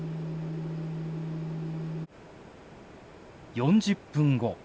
４０分後。